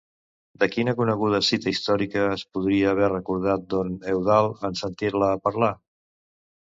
De quina coneguda cita històrica es podria haver recordat don Eudald en sentir-la parlar?